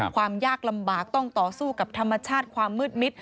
ความยากลำบากต้องต่อสู้กับธรรมชาติความมืดมิด